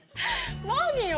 何よ！